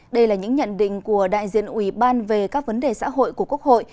đây là những nhận định của đại diện ủy ban về các vấn đề xã hội của quốc hội